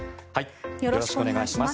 よろしくお願いします。